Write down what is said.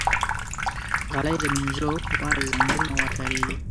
د غالۍ مینځلو لپاره ځانګړي مواد کارېږي.